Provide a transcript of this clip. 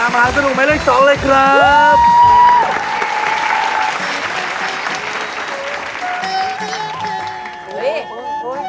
ภูมิในพุธ